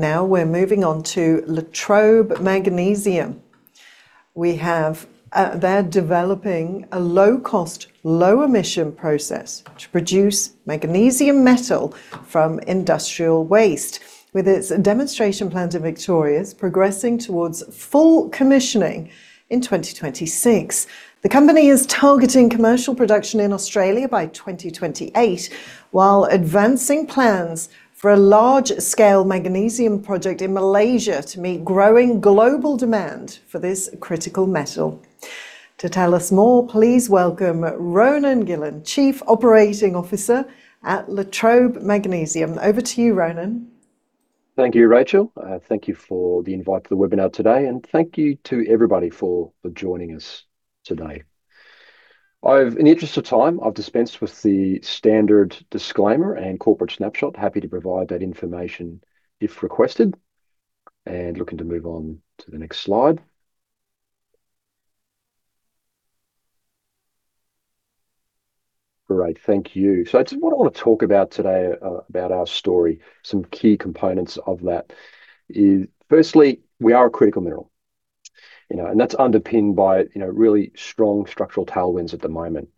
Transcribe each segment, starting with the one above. Now we're moving on to Latrobe Magnesium. They're developing a low-cost, low-emission process to produce magnesium metal from industrial waste. With its demonstration plant in Victoria, it's progressing towards full commissioning in 2026. The company is targeting commercial production in Australia by 2028, while advancing plans for a large-scale magnesium project in Malaysia to meet growing global demand for this critical metal. To tell us more, please welcome Ronan Gillen, Chief Operating Officer at Latrobe Magnesium. Over to you, Ronan. Thank you, Rachel. Thank you for the invite to the webinar today, thank you to everybody for joining us today. In the interest of time, I've dispensed with the standard disclaimer and corporate snapshot. Happy to provide that information if requested. Looking to move on to the next slide. Great. Thank you. What I want to talk about today about our story, some key components of that, is firstly, we are a critical mineral. That's underpinned by really strong structural tailwinds at the moment.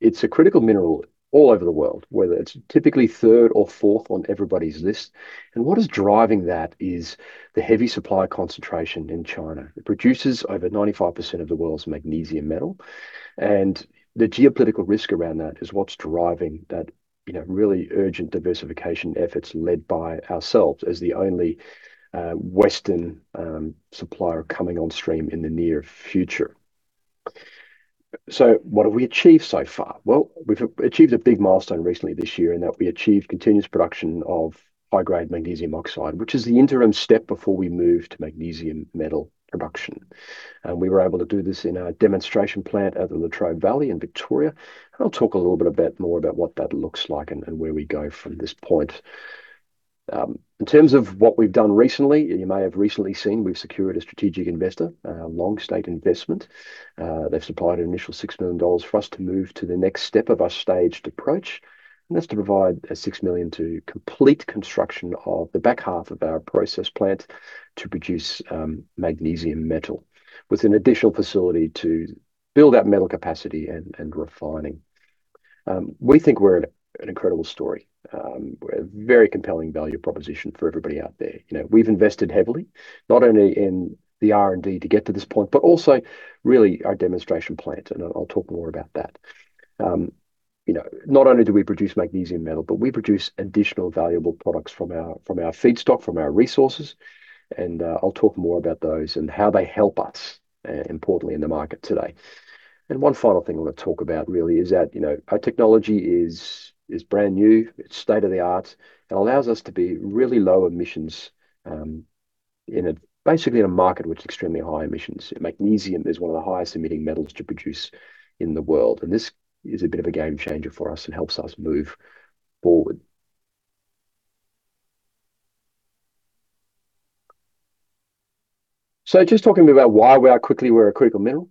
It's a critical mineral all over the world, whether it's typically third or fourth on everybody's list. What is driving that is the heavy supply concentration in China. It produces over 95% of the world's magnesium metal, the geopolitical risk around that is what's driving that really urgent diversification efforts led by ourselves as the only Western supplier coming on stream in the near future. What have we achieved so far? We've achieved a big milestone recently this year in that we achieved continuous production of high-grade magnesium oxide, which is the interim step before we move to magnesium metal production. We were able to do this in our demonstration plant at the Latrobe Valley in Victoria, I'll talk a little bit more about what that looks like and where we go from this point. In terms of what we've done recently, you may have recently seen we've secured a strategic investor, Long State Investment. They've supplied an initial 6 million dollars for us to move to the next step of our staged approach, that's to provide an 6 million to complete construction of the back half of our process plant to produce magnesium metal with an additional facility to build that metal capacity and refining. We think we're an incredible story. We're a very compelling value proposition for everybody out there. We've invested heavily, not only in the R&D to get to this point, but also really our demonstration plant, I'll talk more about that. Not only do we produce magnesium metal, we produce additional valuable products from our feedstock, from our resources, I'll talk more about those and how they help us, importantly, in the market today. One final thing I want to talk about really is that our technology is brand new, it's state-of-the-art, and allows us to be really low emissions in basically in a market which is extremely high emissions. Magnesium is one of the highest emitting metals to produce in the world, and this is a bit of a game changer for us and helps us move forward. Just talking about why we are a critical metal.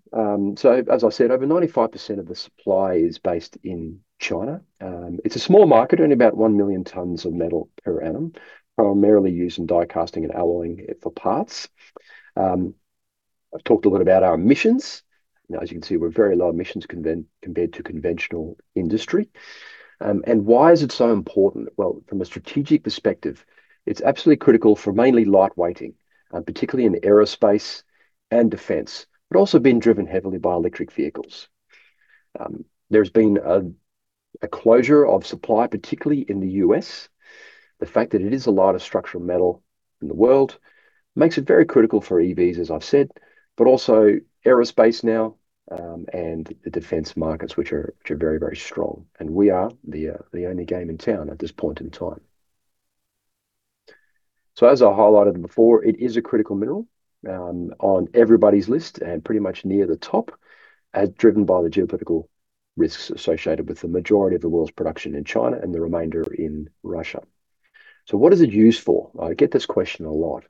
As I said, over 95% of the supply is based in China. It's a small market, only about one million tons of metal per annum, primarily used in die casting and alloying it for parts. I've talked a lot about our emissions. As you can see, we're very low emissions compared to conventional industry. Why is it so important? From a strategic perspective, it's absolutely critical for mainly light weighting, particularly in aerospace and defense, but also being driven heavily by electric vehicles. There's been a closure of supply, particularly in the U.S. The fact that it is a lighter structural metal in the world makes it very critical for EVs, as I've said, but also aerospace now, and the defense markets, which are very, very strong. We are the only game in town at this point in time. As I highlighted before, it is a critical mineral on everybody's list and pretty much near the top as driven by the geopolitical risks associated with the majority of the world's production in China and the remainder in Russia. What is it used for? I get this question a lot.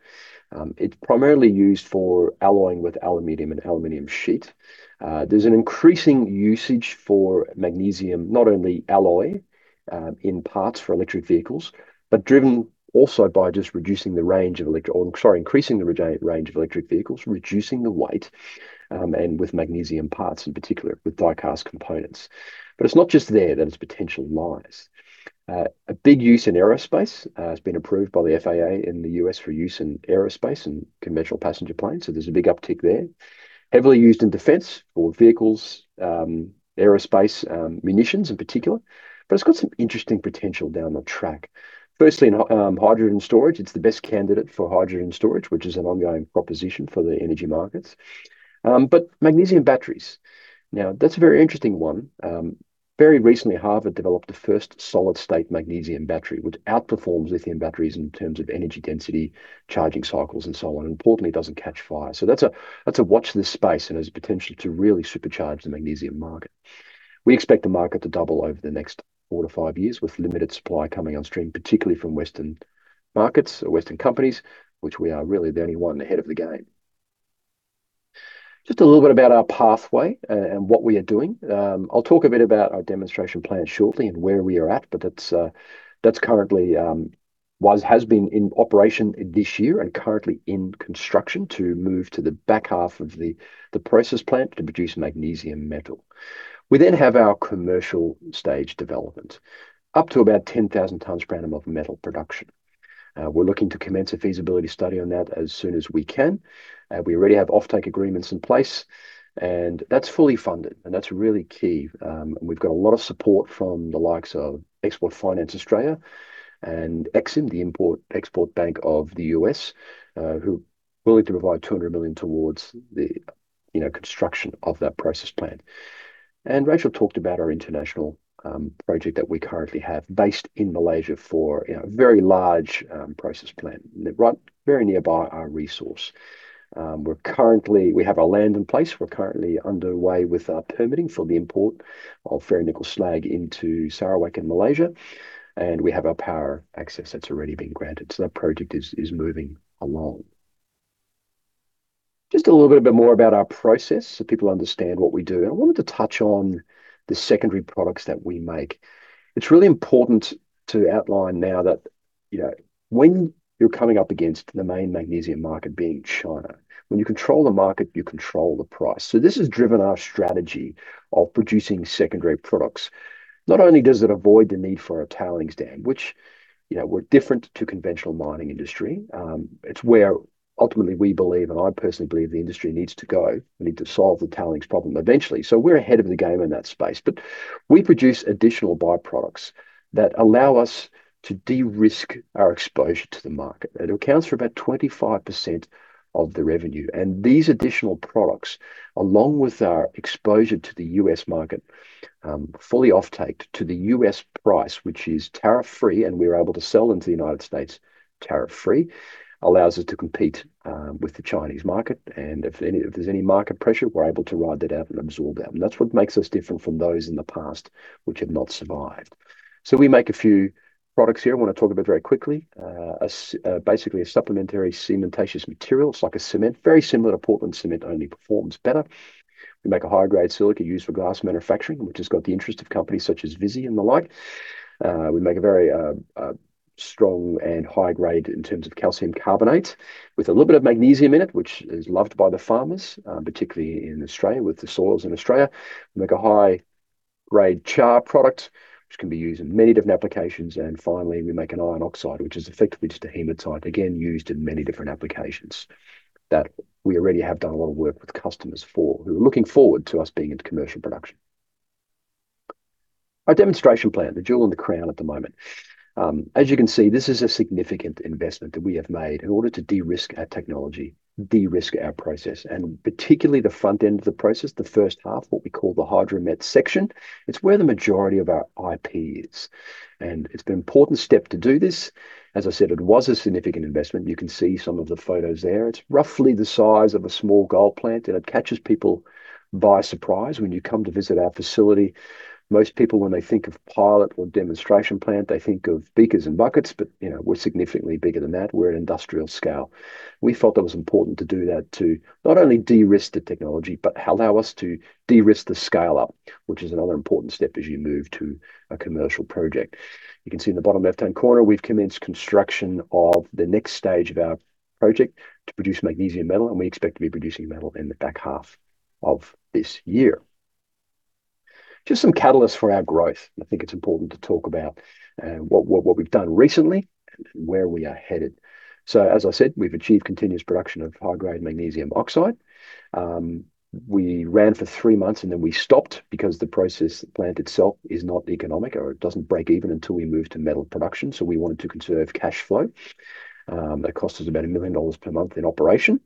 It's primarily used for alloying with aluminum and aluminum sheet. There's an increasing usage for magnesium, not only alloy in parts for electric vehicles, but driven also by just reducing the range of electric or I'm sorry, increasing the range of electric vehicles, reducing the weight, and with magnesium parts in particular with die-cast components. It's not just there that its potential lies. A big use in aerospace. It's been approved by the FAA in the U.S. for use in aerospace and conventional passenger planes. There's a big uptick there. Heavily used in defense for vehicles, aerospace, munitions in particular. It's got some interesting potential down the track. Firstly, in hydrogen storage. It's the best candidate for hydrogen storage, which is an ongoing proposition for the energy markets. Magnesium batteries, now that's a very interesting one. Very recently, Harvard developed the first solid-state magnesium battery, which outperforms lithium batteries in terms of energy density, charging cycles, and so on. Importantly, it doesn't catch fire. That's a watch this space and has potential to really supercharge the magnesium market. We expect the market to double over the next four to five years with limited supply coming on stream, particularly from Western markets or Western companies, which we are really the only one ahead of the game. Just a little bit about our pathway and what we are doing. I'll talk a bit about our demonstration plan shortly and where we are at, but that currently has been in operation this year and currently in construction to move to the back half of the process plant to produce magnesium metal. We have our commercial stage development up to about 10,000 tons per annum of metal production. We're looking to commence a feasibility study on that as soon as we can. We already have offtake agreements in place, and that's fully funded, and that's really key. We've got a lot of support from the likes of Export Finance Australia and EXIM, the import-export bank of the U.S., who are willing to provide 200 million towards the construction of that process plant. Rachel talked about our international project that we currently have based in Malaysia for a very large process plant right very nearby our resource. We have our land in place. We're currently underway with our permitting for the import of ferronickel slag into Sarawak in Malaysia, and we have our power access that's already been granted. That project is moving along. Just a little bit more about our process so people understand what we do. I wanted to touch on the secondary products that we make. It's really important to outline now that when you're coming up against the main magnesium market being China, when you control the market, you control the price. This has driven our strategy of producing secondary products. Not only does it avoid the need for a tailings dam, which we're different to conventional mining industry. It's where ultimately we believe, and I personally believe the industry needs to go. We need to solve the tailings problem eventually. We're ahead of the game in that space. We produce additional byproducts that allow us to de-risk our exposure to the market. It accounts for about 25% of the revenue. These additional products, along with our exposure to the U.S. market, fully offtaked to the U.S. price, which is tariff free, and we're able to sell into the United States tariff free, allows us to compete with the Chinese market. If there's any market pressure, we're able to ride that out and absorb that. That's what makes us different from those in the past, which have not survived. We make a few products here I want to talk about very quickly. Basically, a supplementary cementitious material. It's like a cement, very similar to Portland cement, only performs better. We make a high-grade silica used for glass manufacturing, which has got the interest of companies such as Visy and the like. We make a very strong and high-grade in terms of calcium carbonate with a little bit of magnesium in it, which is loved by the farmers, particularly in Australia, with the soils in Australia. We make a high-grade char product, which can be used in many different applications. Finally, we make an iron oxide, which is effectively just a hematite, again, used in many different applications that we already have done a lot of work with customers for, who are looking forward to us being into commercial production. Our demonstration plan, the jewel in the crown at the moment. As you can see, this is a significant investment that we have made in order to de-risk our technology, de-risk our process, and particularly the front end of the process, the first half, what we call the hydromet section. It's where the majority of our IP is, and it's been an important step to do this. As I said, it was a significant investment. You can see some of the photos there. It's roughly the size of a small gold plant, and it catches people by surprise when you come to visit our facility. Most people, when they think of pilot or demonstration plant, they think of beakers and buckets, but we're significantly bigger than that. We're an industrial scale. We felt it was important to do that to not only de-risk the technology but allow us to de-risk the scale-up, which is another important step as you move to a commercial project. You can see in the bottom left-hand corner, we've commenced construction of the next stage of our project to produce magnesium metal, and we expect to be producing metal in the back half of this year. Just some catalysts for our growth. I think it's important to talk about what we've done recently and where we are headed. As I said, we've achieved continuous production of high-grade magnesium oxide. We ran for three months, and then we stopped because the process plant itself is not economic, or it doesn't break even until we move to metal production. We wanted to conserve cash flow. That cost us about 1 million dollars per month in operation.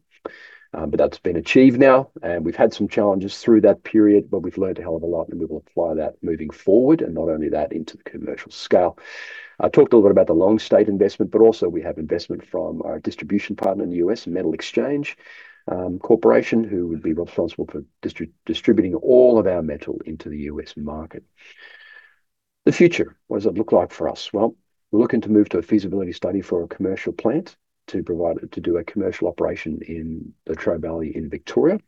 That's been achieved now, and we've had some challenges through that period, but we've learned a hell of a lot, and we will apply that moving forward, and not only that, into the commercial scale. I talked a little bit about the Long State investment, but also we have investment from our distribution partner in the U.S., Metal Exchange Corporation, who would be responsible for distributing all of our metal into the U.S. market. The future, what does it look like for us? Well, we're looking to move to a feasibility study for a commercial plant to do a commercial operation in the Latrobe Valley in Victoria.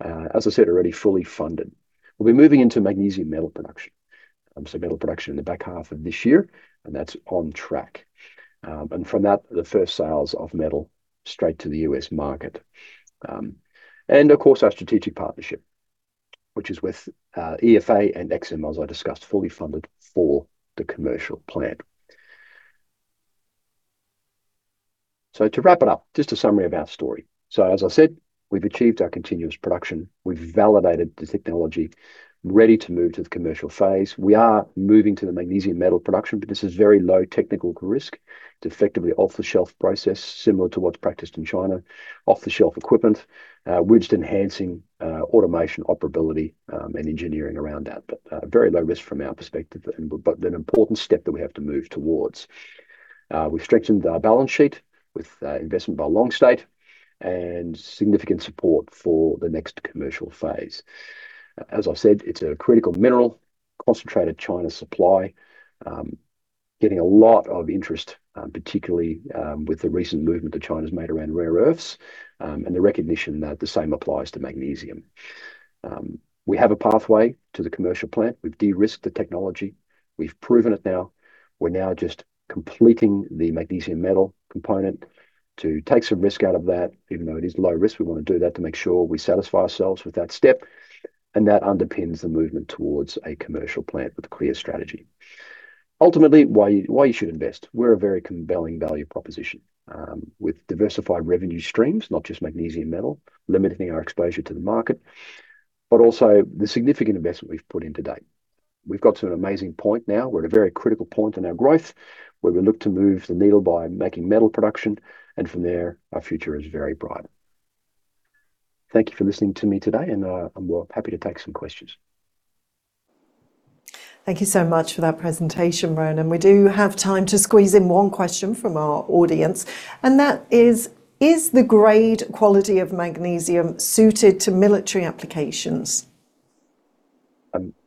As I said, already fully funded. We'll be moving into magnesium metal production, so metal production in the back half of this year, and that's on track. From that, the first sales of metal straight to the U.S. market. Of course, our strategic partnership, which is with EFA and EXIM, as I discussed, fully funded for the commercial plant. To wrap it up, just a summary of our story. As I said, we've achieved our continuous production. We've validated the technology, ready to move to the commercial phase. We are moving to the magnesium metal production, but this is very low technical risk. It's effectively off-the-shelf process, similar to what's practiced in China. Off-the-shelf equipment. We're just enhancing automation, operability, and engineering around that. Very low risk from our perspective, but an important step that we have to move towards. We've strengthened our balance sheet with investment by Long State and significant support for the next commercial phase. As I said, it's a critical mineral, concentrated China supply. Getting a lot of interest, particularly with the recent movement that China's made around rare earths, and the recognition that the same applies to magnesium. We have a pathway to the commercial plant. We've de-risked the technology. We've proven it now. We're now just completing the magnesium metal component to take some risk out of that. Even though it is low risk, we want to do that to make sure we satisfy ourselves with that step, and that underpins the movement towards a commercial plant with a clear strategy. Ultimately, why you should invest. We're a very compelling value proposition. With diversified revenue streams, not just magnesium metal, limiting our exposure to the market, but also the significant investment we've put in to date. We've got to an amazing point now. We're at a very critical point in our growth where we look to move the needle by making metal production, and from there, our future is very bright. Thank you for listening to me today, and I'm happy to take some questions. Thank you so much for that presentation, Ronan. We do have time to squeeze in one question from our audience, and that is: Is the grade quality of magnesium suited to military applications?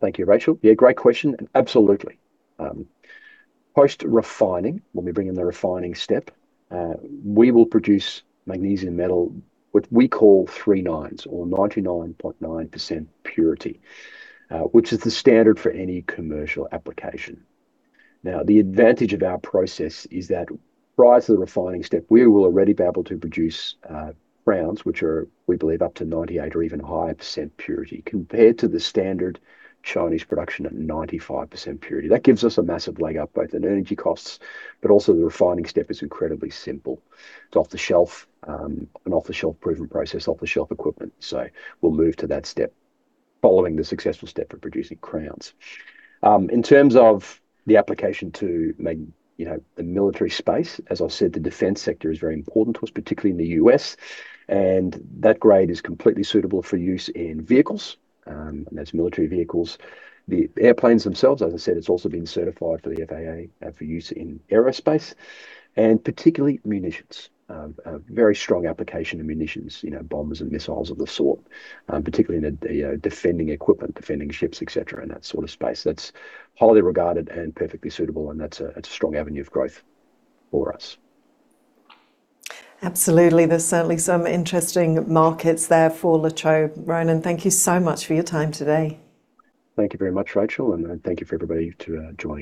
Thank you, Rachel. Great question. Absolutely. Post-refining, when we bring in the refining step, we will produce magnesium metal, what we call three nines or 99.9% purity, which is the standard for any commercial application. The advantage of our process is that prior to the refining step, we will already be able to produce crowns, which are, we believe, up to 98% or even higher purity, compared to the standard Chinese production at 95% purity. That gives us a massive leg up, both in energy costs, but also the refining step is incredibly simple. It's off-the-shelf, an off-the-shelf proven process, off-the-shelf equipment. We'll move to that step following the successful step of producing crowns. In terms of the application to the military space, as I said, the defense sector is very important to us, particularly in the U.S., and that grade is completely suitable for use in vehicles, and that's military vehicles. The airplanes themselves, as I said, it's also been certified for the FAA for use in aerospace and particularly munitions. A very strong application in munitions, bombers and missiles of the sort, particularly in the defending equipment, defending ships, et cetera, and that sort of space. That's highly regarded and perfectly suitable, and that's a strong avenue of growth for us. Absolutely. There's certainly some interesting markets there for Latrobe. Ronan, thank you so much for your time today. Thank you very much, Rachel, and thank you for everybody to joining us.